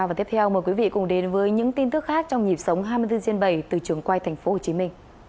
và tiếp theo mời quý vị cùng đến với những tin tức khác trong nhịp sống hai mươi bốn trên bảy từ trường quay tp hcm